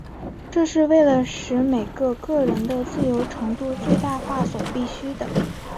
这是为了使每个个人的自由程度最大化所必需的。